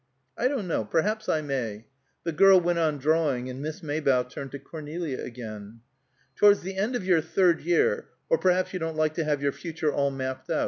"I don't know. Perhaps I may." The girl went on drawing, and Miss Maybough turned to Cornelia again. "Towards the end of your third year or perhaps you don't like to have your future all mapped out.